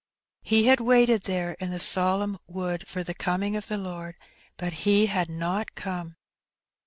He had waited there in the solemn wood for the coming of the Lord, but He had not come.